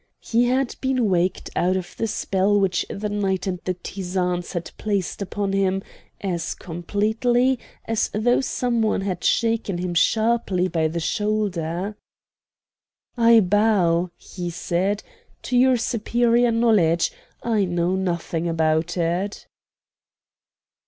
He had been waked out of the spell which the night and the tizanes had placed upon him as completely as though some one had shaken him sharply by the shoulder. "I bow," he said, "to your superior knowledge. I know nothing about it."